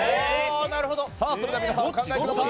それでは皆さんお考えください！